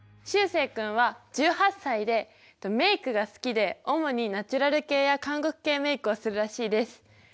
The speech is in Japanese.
しゅうせい君は１８歳でメイクが好きで主にナチュラル系や韓国系メイクをするらしいです。